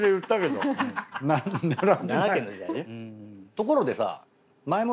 ところでさ。